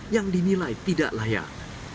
yang dinilai tidak layak